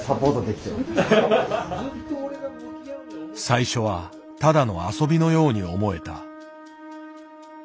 最初はただの遊びのように思えた。